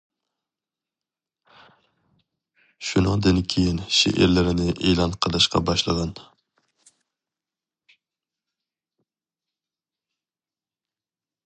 شۇنىڭدىن كېيىن شېئىرلىرىنى ئېلان قىلىشقا باشلىغان.